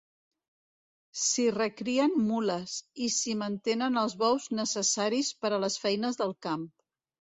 S'hi recrien mules, i s'hi mantenen els bous necessaris per a les feines del camp.